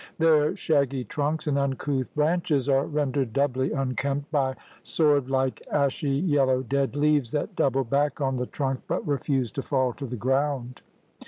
Their shaggy trunks and uncouth branches are rendered doubly unkempt by sword like, ashy yellow dead leaves that double back on the trunk but refuse to fall to the ground.